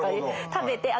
食べてあ